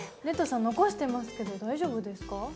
レッドさん残してますけど大丈夫ですか？